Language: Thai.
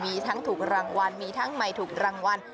มีทั้งถูกรางวัลมีทั้งใหม่ถูกรางวัล